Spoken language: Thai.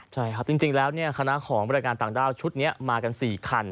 ใช่ครับจริงแล้วคณะของบริการต่างด้าวชุดนี้มากัน๔คัน